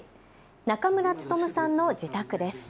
中村勉さんの自宅です。